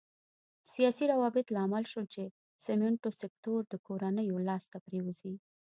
سیاسي روابط لامل شول چې سمنټو سکتور د کورنیو لاس ته پرېوځي.